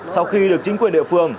sau khi được chính quyền địa phương